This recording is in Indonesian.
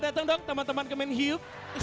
datang dong teman teman kemen hiu